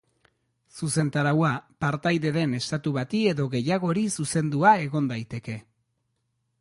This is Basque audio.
Zuzentaraua, partaide den estatu bati edo gehiagori zuzendua egon daiteke.